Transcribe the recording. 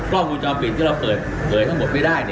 กล้องวงจรปิดที่เราเปิดเผยทั้งหมดไม่ได้